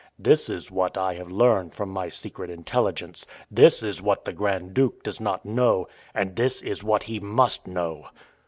This is what I have learned from my secret intelligence; this is what the Grand Duke does not know; and this is what he must know!"